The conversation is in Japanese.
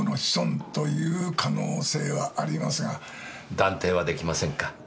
断定は出来ませんか？